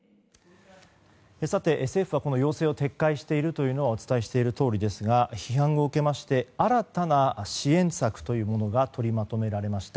政府はこの要請を撤回しているのはお伝えしているとおりですが批判を受けまして新たな支援策というものが取りまとめられました。